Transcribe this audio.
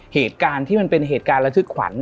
เหตุการณ์ที่มันเป็นเหตุการณ์ระทึกขวัญ